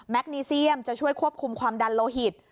คนีเซียมจะช่วยควบคุมความดันโลหิต